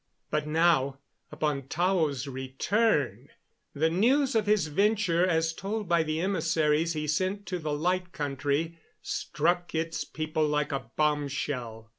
But now, upon Tao's return, the news of his venture, as told by the emissaries he sent to the Light Country, struck its people like a bombshell.